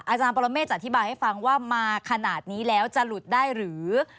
อาจารย์ปรเมฆจะอธิบายให้ฟังว่ามาขนาดนี้แล้วจะหลุดได้หรือ